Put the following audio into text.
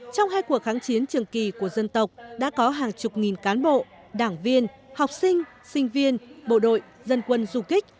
trong hai cuộc kháng chiến trường kỳ của dân tộc đã có hàng chục nghìn cán bộ đảng viên học sinh sinh viên bộ đội dân quân du kích